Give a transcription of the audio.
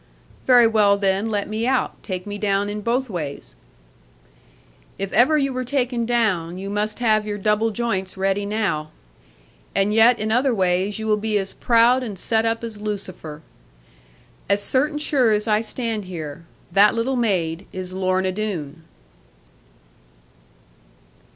'Very well then, let me out. Take me down in both ways.' 'If ever you were taken down; you must have your double joints ready now. And yet in other ways you will be as proud and set up as Lucifer. As certain sure as I stand here, that little maid is Lorna Doone.'